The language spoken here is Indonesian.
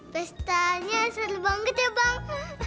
pesta nya seru banget ya bang